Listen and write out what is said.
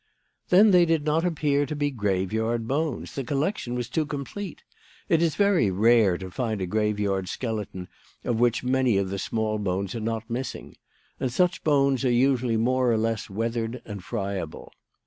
"Then they did not appear to be graveyard bones. The collection was too complete. It is very rare to find a graveyard skeleton of which many of the small bones are not missing. And such bones are usually more or less weathered and friable.